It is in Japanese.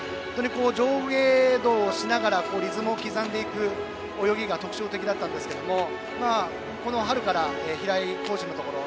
上下動をしながらリズムを刻んでいく泳ぎが特徴的だったんですがこの春から平井コーチのところに。